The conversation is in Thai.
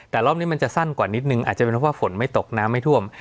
แต่รอบนี้มันจะสั้นกว่านิดนึงอาจจะเป็นเพราะว่าฝนไม่ตกน้ำไม่ท่วม